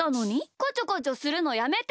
こちょこちょするのやめてよ！